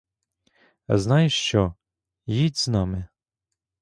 Знаєш що: їдь з нами.